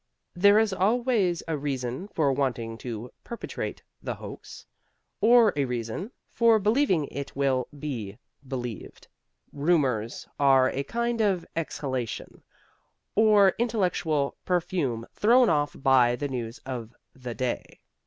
There is always a reason for wanting to perpetrate the hoax, or a reason for believing it will be believed. Rumors are a kind of exhalation or intellectual perfume thrown off by the news of the day.